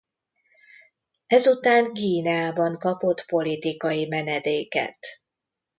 Ezután Guineában kapott politikai menedéket.